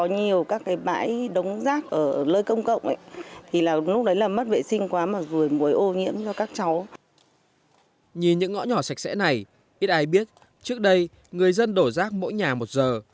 nhìn những ngõ nhỏ sạch sẽ này ít ai biết trước đây người dân đổ rác mỗi nhà một giờ